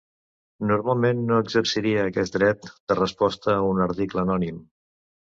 Normalment no exerciria aquest dret de resposta a un article anònim.